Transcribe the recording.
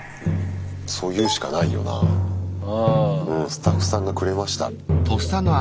スタッフさんがくれました。